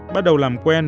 bắt đầu làm quen